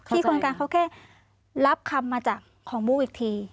คนกลางเขาแค่รับคำมาจากของบู้อีกที